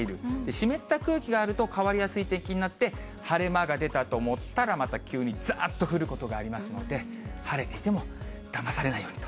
湿った空気があると、変わりやすい天気になって、晴れ間が出たと思ったら、また急にざーっと降ることがありますので、晴れていてもだまされないようにと。